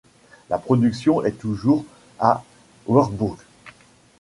La production est toujours à Wurtzbourg.